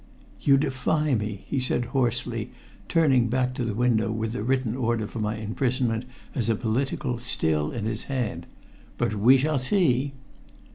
"You defy me!" he said hoarsely, turning back to the window with the written order for my imprisonment as a political still in his hand. "But we shall see."